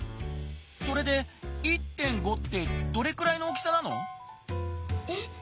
それで「１．５」ってどれくらいの大きさなの？え？